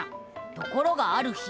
ところがある日。